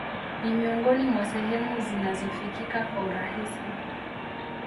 Ni miongoni mwa sehemu zinazofikika kwa urahisi